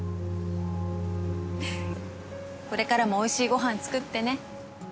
ははっこれからもおいしいご飯作ってね。